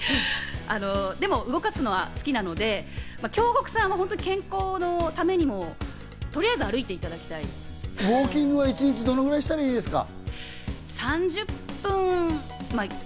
でも体を動かすのが好きなので、京極さんの健康のためにもとりあえず歩いていただきウオーキングはどのぐらい一日したらいいですか？